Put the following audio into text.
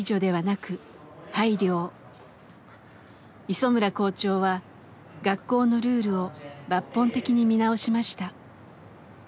磯村校長は学校のルールを抜本的に見直しました。